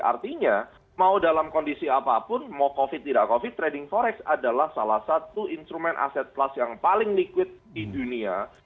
artinya mau dalam kondisi apapun mau covid tidak covid trading forex adalah salah satu instrumen aset plus yang paling liquid di dunia